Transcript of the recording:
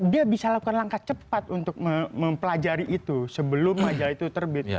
dia bisa lakukan langkah cepat untuk mempelajari itu sebelum maja itu terbit